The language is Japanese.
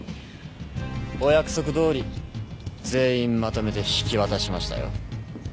お約束どおり全員まとめて引き渡しましたよ。